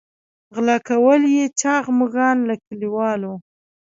غلا کول یې چاغ مږان له کلیوالو.